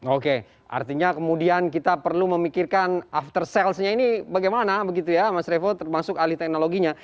oke artinya kemudian kita perlu memikirkan after salesnya ini bagaimana begitu ya mas revo termasuk alih teknologinya